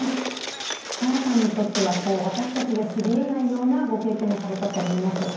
沙羅さんにとっては私たちが知り得ないようなご経験もされたと思います。